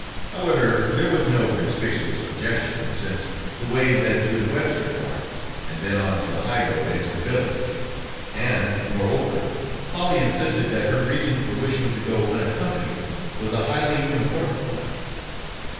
However, there was no conspicuous objection since the way led through the Webster farm and then on to the high road into the village, and, moreover, Polly insisted that her reason for wishing to go unaccompanied was a highly important one.